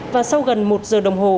và sau gần một giờ đồng hồ